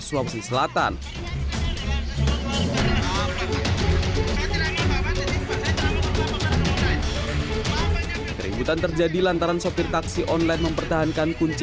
sulawesi selatan keributan terjadi lantaran sopir taksi online mempertahankan kunci